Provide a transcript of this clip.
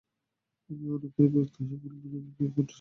আমি মনে মনে বিরক্ত হয়ে বললুম, এমনিই কি সাজ দেখলে?